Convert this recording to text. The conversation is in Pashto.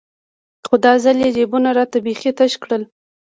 خو دا ځل يې جيبونه راته بيخي تش كړل.